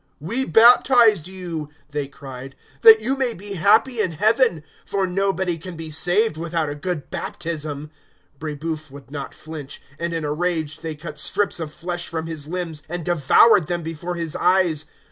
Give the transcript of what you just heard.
"We baptize you," they cried, "that you may be happy in Heaven; for nobody can be saved without a good baptism." Brébeuf would not flinch; and, in a rage, they cut strips of flesh from his limbs, and devoured them before his eyes.